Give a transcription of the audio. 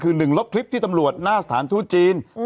คือ๑ลบคลิปที่ตำรวจหน้าสถานทูตจีน